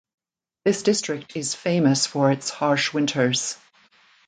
This district is famous for its harsh winters.